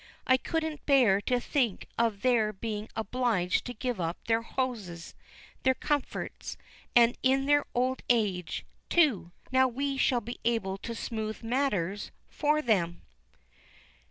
I couldn't bear to think of their being obliged to give up their houses, their comforts, and in their old age, too! Now we shall be able to smooth matters for them!"